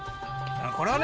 これはね。